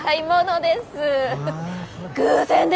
偶然ですね。